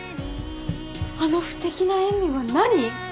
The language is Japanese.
あの不敵な笑みは何？